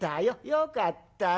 よかったね。